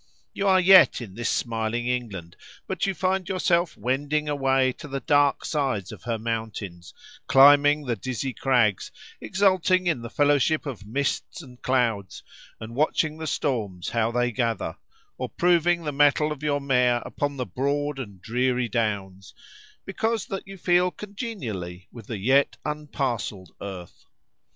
You are yet in this smiling England, but you find yourself wending away to the dark sides of her mountains, climbing the dizzy crags, exulting in the fellowship of mists and clouds, and watching the storms how they gather, or proving the mettle of your mare upon the broad and dreary downs, because that you feel congenially with the yet unparcelled earth.